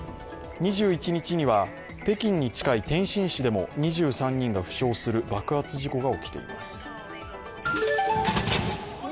２１日には北京に近い天津市でも２３人が負傷する爆発事故が起きています。